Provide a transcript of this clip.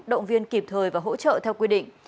động viên kịp thời và hỗ trợ theo quy định